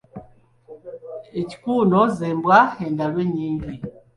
Ekikuuno z’embwa endalu ennyingi.